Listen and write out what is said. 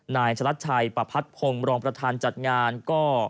ฉลัดชัยประพัดพงศ์รองประธานจัดงานก็